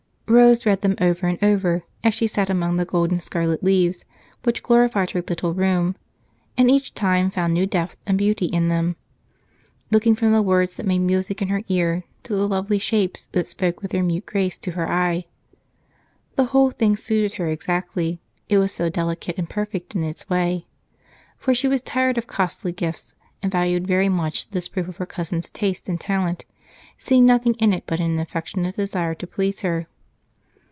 Rose read them over and over as she sat among the gold and scarlet leaves which glorified her little room, and each time found new depth and beauty in them, looking from the words that made music in her ear to the lovely shapes that spoke with their mute grace to her eye. The whole thing suited her exactly, it was so delicate and perfect in its way, for she was tired of costly gifts and valued very much this proof of her cousin's taste and talent, seeing nothing in it but an affectionate desire to please her.